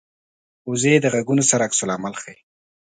وزې د غږونو سره عکس العمل ښيي